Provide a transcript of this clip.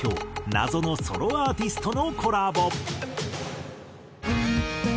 謎のソロアーティストのコラボ。